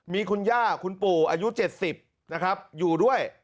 มีคุณย่าคุณปู่อายุ๗๐นะครับอยู่ด้วย